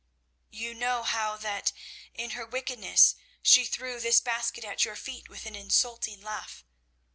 "You know how that, in her wickedness, she threw this basket at your feet with an insulting laugh.